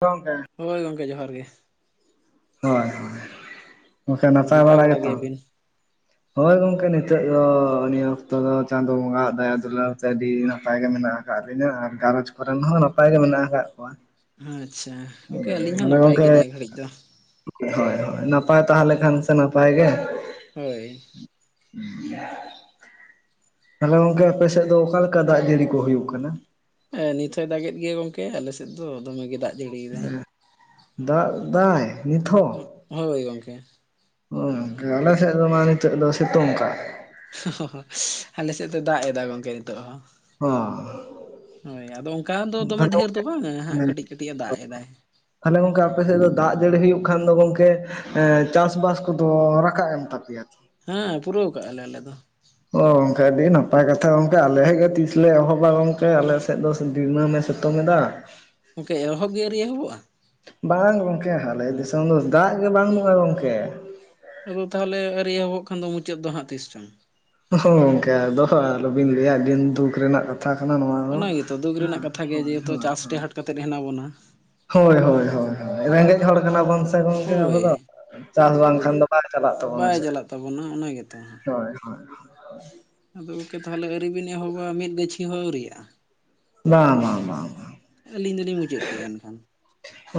ᱜᱚᱝᱠᱮ᱾ ᱦᱳᱭ ᱜᱚᱝᱠᱮ, ᱡᱚᱦᱟᱨ ᱜᱮ᱾ ᱦᱳᱭ, ᱜᱚᱝᱠᱮ ᱱᱟᱯᱟᱭ ᱵᱟᱲᱟ ᱜᱮᱛᱚ? [inaudible] ᱦᱳᱭ ᱜᱚᱝᱠᱮ, ᱱᱤᱛᱳ ᱫᱚ ᱱᱤᱭᱟᱹ ᱚᱠᱛᱚ ᱫᱚ ᱪᱟᱸᱫᱚ ᱵᱚᱸᱜᱟᱣᱟᱜ ᱫᱟᱭᱟ ᱫᱩᱞᱟᱹᱲ ᱛᱮ ᱟᱹᱰᱤ ᱱᱟᱯᱟᱭ ᱜᱮ ᱢᱮᱱᱟᱜ-ᱟ᱾ ᱟᱠᱟᱫ ᱞᱤᱧᱟ ᱟᱨ ᱜᱷᱟᱨᱚᱡᱽ ᱠᱚᱨᱮᱱ ᱦᱚᱸ ᱱᱟᱯᱟᱭ ᱜᱮ ᱢᱮᱱᱟᱜ ᱟᱠᱟᱫ ᱠᱚᱣᱟ᱾ ᱟᱪᱪᱷᱟ, ᱜᱚᱝᱠᱮ ᱟᱹᱞᱤᱧ ᱦᱚᱸ ᱛᱟᱦᱞᱮ ᱱᱟᱯᱟᱭ ᱜᱚᱝᱠᱮ ᱜᱮ ᱱᱤᱭᱟᱹ ᱜᱷᱟᱹᱲᱤᱡ ᱫᱚ᱾ ᱦᱳᱭ ᱦᱳᱭ, ᱛᱟᱦᱮᱞᱮ ᱠᱷᱟᱱ ᱥᱮ ᱱᱟᱯᱟᱭ ᱜᱮ᱾ ᱦᱳᱭ᱾ [unintelligible] ᱛᱟᱞᱦᱮ ᱜᱚᱝᱠᱮ, ᱟᱯᱮ ᱥᱮᱫ ᱫᱚ ᱚᱠᱟ ᱞᱮᱠᱟ ᱫᱟᱜ ᱡᱟᱨᱤ ᱠᱚ ᱦᱩᱭᱩᱜ ᱠᱟᱱᱟ? ᱦᱮᱸ, ᱱᱤᱛ ᱦᱚᱸᱭ ᱫᱟᱜᱮᱫ ᱜᱮᱭᱟ ᱜᱚᱝᱠᱮ, ᱟᱞᱮ ᱥᱮᱫ ᱫᱚ ᱫᱚᱢᱮ ᱜᱮ ᱫᱟᱜ ᱡᱟᱹᱲᱤᱭᱮᱫᱟᱭ᱾ ᱦᱮᱸ, ᱫᱟᱜ ᱫᱟᱭ ᱱᱤᱛᱚ ᱦᱚᱸ? ᱦᱳᱭ ᱜᱚᱝᱠᱮ᱾ ᱦᱳᱭ ᱜᱚᱝᱠᱮ ᱟᱞᱮ ᱥᱮᱫ ᱫᱚ ᱢᱟ ᱱᱤᱛᱚᱜ ᱫᱚ ᱥᱤᱛᱩᱝ ᱠᱟᱜ᱾ [unintelligible] ᱟᱞᱮ ᱥᱮᱫ ᱫᱚ ᱫᱟᱜ ᱮᱫᱟ ᱜᱚᱝᱠᱮ ᱱᱤᱛᱚᱜ ᱦᱚᱸ᱾ ᱚ ᱦᱳᱭ, ᱟᱫᱚ ᱚᱝᱠᱟ ᱫᱚ ᱫᱚᱢᱮ ᱛᱟᱦᱞᱮ ᱰᱷᱮᱨ ᱫᱚ ᱜᱚᱝᱠᱮ ᱵᱟᱝᱟ ᱦᱟᱸᱜ ᱠᱟᱹᱴᱤᱡ ᱠᱟᱹᱴᱤᱡ ᱮ ᱫᱟᱜ ᱮᱫᱟᱭ᱾ ᱛᱟᱦᱞᱮ ᱜᱚᱝᱠᱮ, ᱟᱯᱮ ᱥᱮᱫ ᱫᱚ ᱫᱟᱜ ᱡᱟᱹᱲᱤ ᱦᱩᱭᱩᱜ ᱠᱷᱟᱱ ᱫᱚ ᱜᱚᱝᱠᱮ ᱮ ᱪᱟᱥᱵᱟᱥ ᱠᱚᱫᱚ ᱨᱟᱠᱟᱵ ᱮᱱ ᱛᱟᱯᱮᱭᱟ ᱛᱚ? ᱦᱮᱸ ᱯᱩᱨᱟᱹᱣ ᱠᱟᱜ-ᱟ ᱞᱮ ᱟᱞᱮ ᱫᱚ᱾ ᱚ ᱜᱚᱝᱠᱮ ᱟᱹᱰᱤ ᱱᱟᱯᱟᱭ ᱠᱟᱛᱷᱟ ᱜᱚᱝᱠᱮ, ᱟᱞᱮ ᱥᱮᱫ ᱜᱮ ᱛᱤᱥ ᱞᱮ ᱮᱦᱚᱵᱟ ᱜᱚᱝᱠᱮ ᱟᱞᱮ ᱥᱮᱫ ᱫᱚ ᱫᱤᱱᱟᱹᱢᱮ ᱥᱤᱛᱳᱝ ᱮᱫᱟ᱾ [inaudible] ᱜᱚᱝᱠᱮ ᱚᱦᱚᱜ ᱜᱮ ᱟᱣᱨᱤ ᱮᱦᱚᱵᱚᱜ-ᱟ? ᱵᱟᱝ ᱜᱚᱝᱠᱮ, ᱟᱞᱮ ᱫᱤᱥᱚᱢ ᱫᱚ ᱫᱟᱜ ᱜᱮ ᱵᱟᱝ ᱵᱟᱱᱩᱜ-ᱟ ᱜᱚᱝᱠᱮ᱾ ᱟᱫᱚ ᱛᱟᱦᱚᱞᱮ ᱟᱣᱨᱤ ᱮᱦᱚᱵᱚᱜ ᱠᱷᱟᱱ ᱫᱚ ᱢᱩᱪᱟᱹᱫ ᱫᱚ ᱦᱟᱜ ᱛᱤᱥ ᱪᱚᱝ? ᱦᱚᱸ ᱜᱚᱝᱠᱮ, ᱟᱫᱚ ᱟᱞᱚᱵᱤᱱ ᱞᱟᱹᱭᱟ ᱟᱰᱤ ᱫᱩᱠ ᱨᱮᱱᱟᱜ ᱠᱟ ᱠᱛᱷᱟ ᱠᱟᱱᱟ ᱱᱚᱣᱟ ᱫᱚ ᱚᱱᱟ ᱜᱮᱛᱚ ᱫᱩᱠ ᱨᱮᱱᱟᱜ ᱦᱮᱸ ᱠᱟᱛᱷᱟ ᱜᱮ ᱦᱳᱭ ᱡᱮᱦᱮᱛᱩ ᱦᱳᱭ ᱪᱟᱥ ᱾ ᱴᱮᱦᱟᱴ ᱠᱟᱛᱮᱫ ᱦᱮᱱᱟᱜ ᱵᱚᱱᱟ ᱦᱳᱭ ᱦᱳᱭ ᱦᱳᱭ ᱦᱳᱭ, ᱨᱮᱸᱜᱮᱡ ᱦᱚᱲ ᱠᱟᱱᱟ ᱵᱚᱱ ᱥᱮ ᱜᱚᱝᱠᱮ ᱟᱵᱚ ᱦᱳᱭ ᱫᱚ᱾ ᱪᱟᱥ ᱟᱫᱚ ᱵᱟᱝᱠᱷᱟᱱ ᱫᱚ ᱵᱟᱝ ᱪᱟᱞᱟᱜ ᱛᱟᱵᱚᱱᱟ ᱵᱟᱭ ᱥᱮ, ᱪᱟᱞᱟᱜ ᱛᱟᱵᱚᱱᱟ ᱚᱱᱟ ᱜᱮᱛᱚ ᱦᱟᱸᱜ᱾ ᱦᱳᱭ ᱦᱳᱭ᱾ ᱟᱫᱚ ᱜᱚᱝᱠᱮ ᱛᱟᱦᱚᱞᱮ ᱟᱹᱣᱨᱤ ᱵᱤᱱ ᱮᱦᱚᱵᱟ ᱢᱤᱫ ᱜᱟᱹᱪᱷᱤ ᱦᱚᱸ ᱟᱹᱣᱨᱤᱭᱟᱜ-ᱟ? ᱵᱟᱝ ᱵᱟᱝ ᱵᱟᱝ ᱵᱟᱝ᱾ ᱟᱹᱞᱤᱧ ᱫᱩᱞᱤᱧ ᱢᱩᱪᱟᱹᱫ ᱠᱮᱜ-ᱟ ᱮᱱᱠᱷᱟᱱ᱾